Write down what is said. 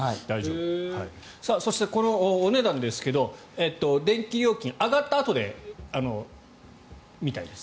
そして、このお値段ですが電気料金上がったあとみたいです。